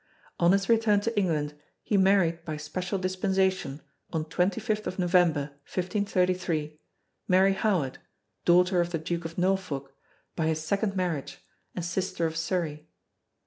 On his return to England he married by special dispensation, on 25 November, 1533, Mary Howard, daughter of the Duke of Norfolk by his second marriage and sister of Surrey.